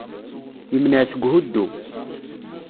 Yemneɛ seg uhuddu.